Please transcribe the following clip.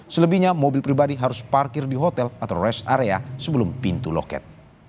selebihnya mobil pribadi harus parkir di hotel atau rest area sebelum pintu loket